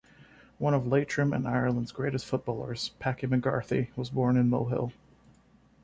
One of Leitrim and Ireland's greatest footballers, Packy McGarty, was born in Mohill.